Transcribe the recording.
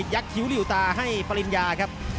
ยักษ์หิวหลิวตาให้ปริญญาครับ